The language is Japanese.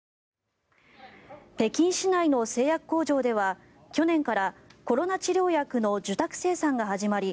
北京市内の製薬工場では去年からコロナ治療薬の受託生産が始まり